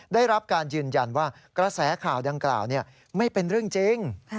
ได้รับการยืนยันว่ากระแสข่าวดังกล่าวไม่เป็นเรื่องจริง